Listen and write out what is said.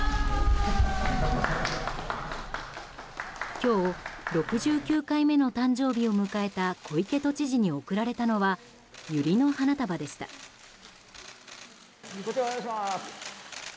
今日６９回目の誕生日を迎えた小池都知事に贈られたのはユリの花束でした。